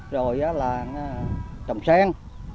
rồi là trồng sen